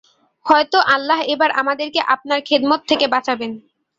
হয়তো আল্লাহ এবার আমাদেরকে আপনার খেদমত থেকে বাঁচাবেন।